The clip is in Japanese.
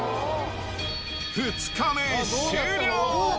２日目終了。